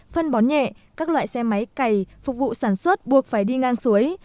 phân bón nhẹ các loại xe máy cày phục vụ sản xuất buộc phải đi ngang suối